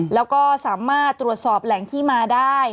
แล้วก็สามารถตรวจสอบแหล่งที่มาได้